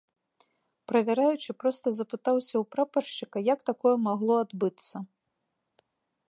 Правяраючы проста запытаўся ў прапаршчыка, як такое магло адбыцца.